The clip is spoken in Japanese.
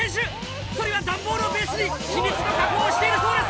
そりは段ボールをベースに秘密の加工をしているそうです。